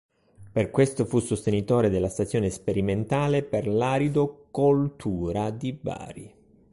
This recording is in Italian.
Per questo fu sostenitore della Stazione sperimentale per l'Aridocoltura di Bari.